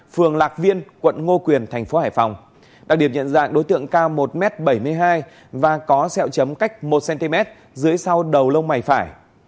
phường lạc viên quận ngô quyền thành phố hải phòng đặc điểm nhận dạng đối tượng cao một m bảy mươi hai và có sẹo chấm cách một cm dưới sau đầu lông mày phải